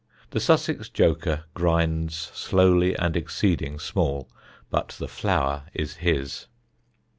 The Sussex joker grinds slowly and exceeding small; but the flour is his.